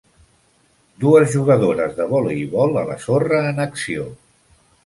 Dues jugadores de voleibol a la sorra en acció.